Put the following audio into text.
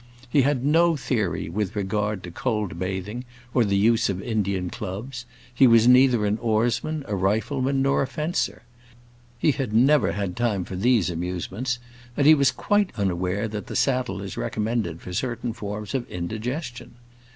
He had no theory with regard to cold bathing or the use of Indian clubs; he was neither an oarsman, a rifleman, nor a fencer—he had never had time for these amusements—and he was quite unaware that the saddle is recommended for certain forms of indigestion.